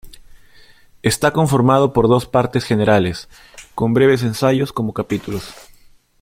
Está conformado por dos partes generales, con breves ensayos como capítulos.